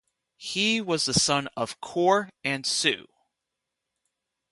He was the son of Core and Sue.